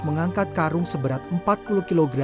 mengangkat karung seberat empat puluh kg